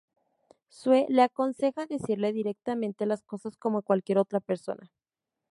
Sue le aconseja decirle directamente las cosas como cualquier otra persona.